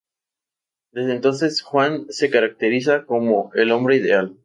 Desde entonces, Juan se caracteriza como el hombre ideal.